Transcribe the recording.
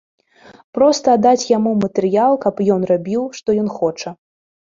Проста аддаць яму матэрыял, каб ён рабіў, што ён хоча.